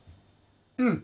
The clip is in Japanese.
うん。